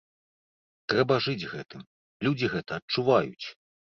Трэба жыць гэтым, людзі гэта адчуваюць.